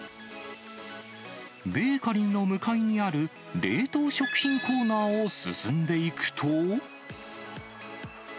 ベーカリーの向かいにある冷凍食品コーナーを進んでいくと。